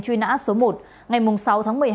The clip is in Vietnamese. truy nã số một ngày sáu tháng một mươi hai